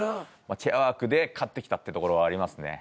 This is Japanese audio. チェアワークで勝ってきたっていうところはありますね。